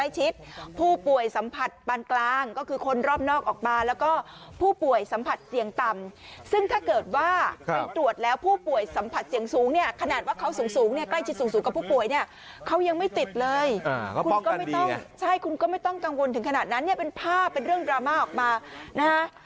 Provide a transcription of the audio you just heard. ชิดสูงสูงกับผู้ป่วยเนี่ยเขายังไม่ติดเลยก็ป้องกันดีแหละใช่คุณก็ไม่ต้องตังวลถึงขนาดนั้นเนี่ยเป็นภาพเป็นเรื่องดราม่าออกมานะคะ